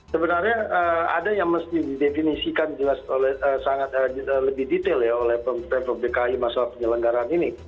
sebenarnya ada yang mesti didefinisikan jelas oleh sangat lebih detail ya oleh pemprov dki masalah penyelenggaraan ini